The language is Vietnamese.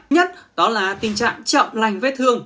nhất đó là tình trạng chậm lành vết thương